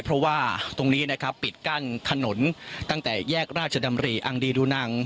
เพราะว่าตรงนี้นะครับปิดกั้นถนนตั้งแต่แยกราชดำรีอังดีดูนัง